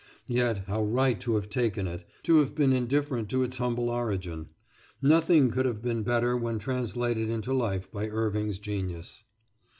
Yet, how right to have taken it, to have been indifferent to its humble origin! Nothing could have been better when translated into life by Irving's genius.